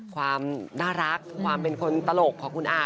ความน่ารักความเป็นคนตลกของคุณอา